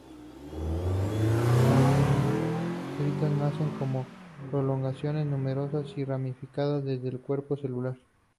Las dendritas nacen como prolongaciones numerosas y ramificadas desde el cuerpo celular.